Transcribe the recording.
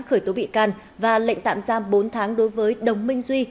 khởi tố bị can và lệnh tạm giam bốn tháng đối với đồng minh duy